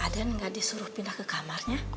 ada yang gak disuruh pindah ke kamarnya